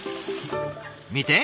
見て！